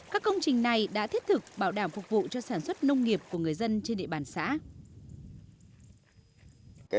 các công trình này đã thiết thực bảo đảm phục vụ cho sản xuất nông nghiệp của người dân trên địa bàn xã